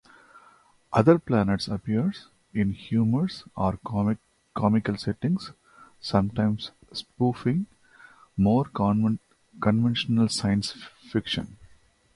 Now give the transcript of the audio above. Other planets appear in humorous or comical settings, sometimes spoofing more conventional science fiction.